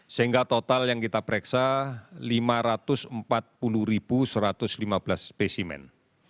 sehingga total yang kita pereksa lima ratus empat puluh satu ratus lima belas spesimen